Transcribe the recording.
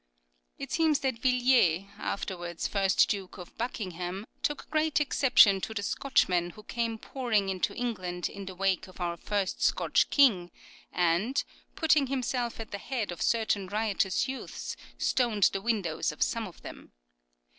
It seems that Villiersj afterwards first Duke of Buckingham, took great exception to the Scotchmen who came pouring into England in the wake of our first Scotch king, and, putting himself at the head of certain riotous youths, stoned the windows of some of them.